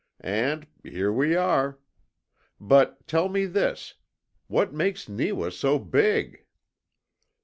And here we are! But tell me this: WHAT MAKES NEEWA SO BIG?"